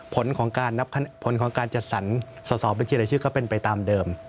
ผลของการจัดสรรสอบบัญชีไร้ชื่อก็เป็นไปตามเดิม